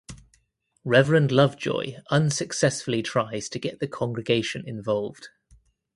Reverend Lovejoy unsuccessfully tries to get the congregation involved.